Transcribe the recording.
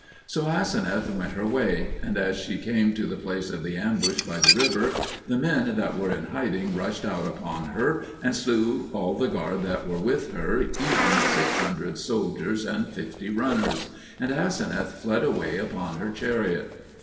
So Aseneth went her way; and as she came to the place of the ambush by the river, the men that were in hiding rushed out upon her, and slew all the guard that were with her, even six hundred soldiers and fifty runners; and Aseneth fled away upon her chariot.